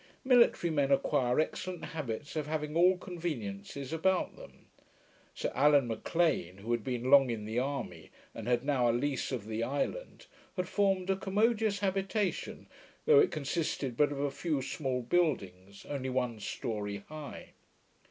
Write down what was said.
Military men acquire excellent habits of having all conveniencies about them. Sir Allan M'Lean, who had been long in the army, and had now a lease of the island, had formed a commodious habitation, though it consisted but of a few small buildings, only one story high.